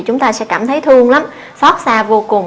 chúng ta sẽ cảm thấy thương lắm xót xa vô cùng